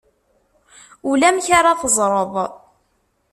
Ulamek ara teẓred.